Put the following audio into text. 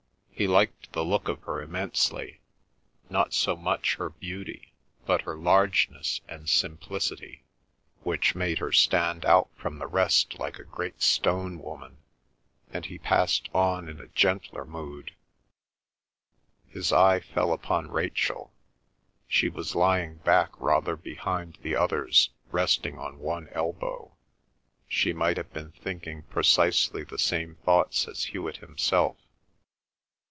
He liked the look of her immensely, not so much her beauty, but her largeness and simplicity, which made her stand out from the rest like a great stone woman, and he passed on in a gentler mood. His eye fell upon Rachel. She was lying back rather behind the others resting on one elbow; she might have been thinking precisely the same thoughts as Hewet himself.